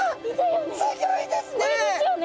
すギョいですね！